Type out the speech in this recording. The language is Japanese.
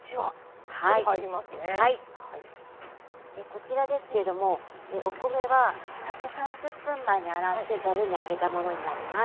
こちらですけれどもお米は炊く３０分前に洗ってざるに上げたものになります。